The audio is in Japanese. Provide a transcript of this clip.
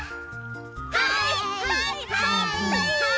はいはいはいはい！